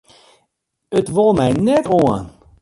It wol my net oan.